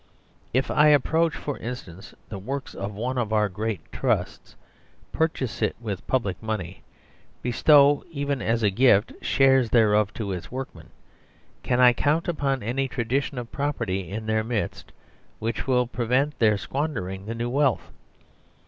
If I ap proach, for instance, the works of one of our great Trusts, purchase it with public money, bestow, even as a gift, the shares thereof to its workmen, can I count upon any tradition of property in their midst which will prevent their squandering the new wealth?